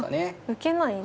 受けないで。